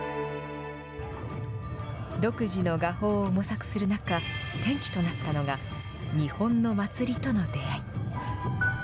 独自の画法を模索する中、転機となったのが、日本の祭りとの出会い。